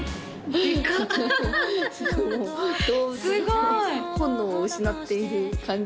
動物の本能を失っている感じ